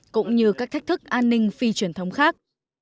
cũng như các thách thức an ninh phi truyền thống khác